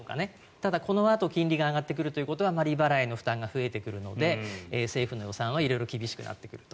ただ、このあと金利が上がってくるということは利払いの負担が増えてくるので政府の予算は色々厳しくなってくると。